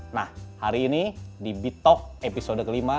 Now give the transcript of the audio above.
nah hari ini di bitoh episode kelima